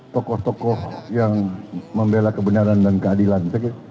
tokoh tokoh yang membela kebenaran dan keadilan